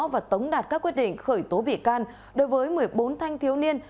và tống đạt các quyết định khởi tố bị can đối với một mươi bốn thanh thiếu niên